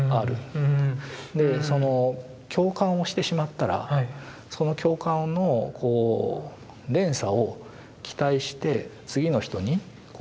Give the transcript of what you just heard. でその共感をしてしまったらその共感の連鎖を期待して次の人にパスしていく。